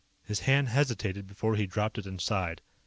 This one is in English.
His hand hesitated before he dropped it inside.